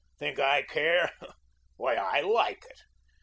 Think I care? Why, I LIKE it.